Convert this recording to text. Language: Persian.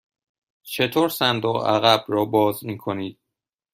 چطور صندوق عقب را باز می کنید؟